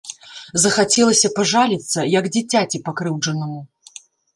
Захацелася пажаліцца, як дзіцяці пакрыўджанаму.